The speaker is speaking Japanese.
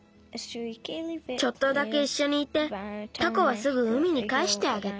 ちょっとだけいっしょにいてタコはすぐ海にかえしてあげた。